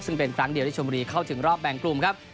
ซึ่งเป็นครั้งเดียวที่ชมบุรีเข้าถึงรอบแบ่งกลุ่มครับ